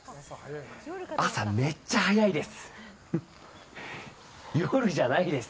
朝めっちゃ早いです。